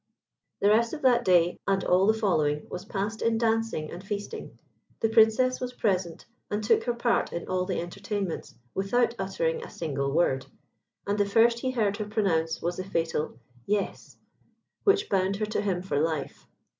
The rest of that day and all the following was passed in dancing and feasting. The Princess was present, and took her part in all the entertainments without uttering a single word, and the first he heard her pronounce was the fatal "Yes," which bound her to him for life.